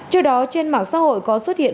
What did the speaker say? trước đó trên mạng xã hội có xuất hiện